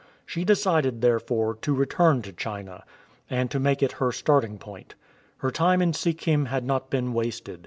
She decided, there fore, to return to China, and to make it her starting point. Her time in Sikkim had not been wasted.